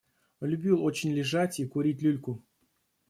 Любил очень лежать и курить люльку.